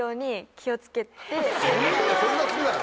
そんな好きなの？